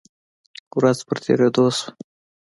ورځ په تیریدو شوه